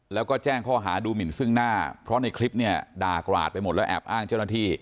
แล้วก็แจ้งข้อหาดูหมินซึ่งหน้าเพราะในคลิปเนี่ยด่ากราดไปหมดแล้วแอบอ้างเจ้าหน้าที่